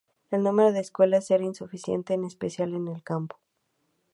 El número de escuelas era insuficiente, en especial en el campo.